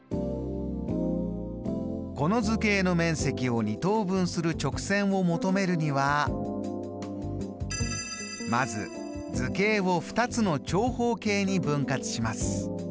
この図形の面積を２等分する直線を求めるにはまず図形を２つの長方形に分割します。